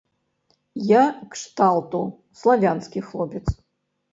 Я кшталту славянскі хлопец.